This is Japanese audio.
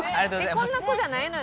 えっこんな子じゃないのよね？